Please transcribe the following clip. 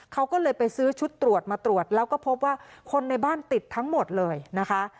เขาก็เลยไปซื้อชุดตรวจมาตรวจแล้วก็พบว่าคนในบ้านติดทั้งหมดเลยนะคะ